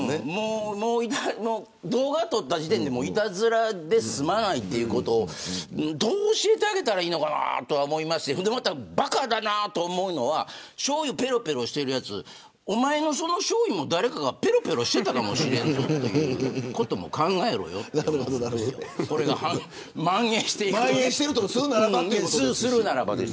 動画を撮った時点でいたずらで済まないということをどう教えてあげたらいいのかなと思いますしばかだなと思うのはしょうゆをぺろぺろしてるやつおまえのそのしょうゆも誰かがぺろぺろしていたかもしれないということも考えろよという話でこれがまん延していくとしたら。